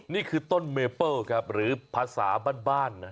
นี่คือต้นเมเปิ้ลครับหรือภาษาบ้านนะ